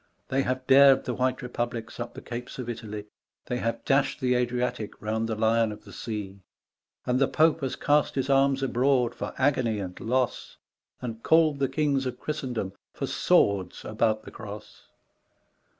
They have dared the white republics up the capes of Italy, They have dashed the Adriatic round the Lion of the Sea, 38 G. K. CHESTERTON And the Pope has cast his arms abroad for agony and loss, And called the kings of Christendom for swords about the Cross.